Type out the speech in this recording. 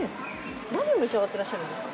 何を召し上がってらっしゃるんですか？